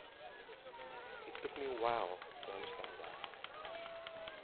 It took me a while to understand that.